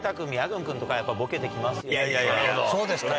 そうですかね。